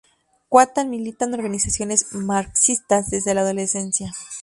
Kohan milita en organizaciones marxistas desde la adolescencia.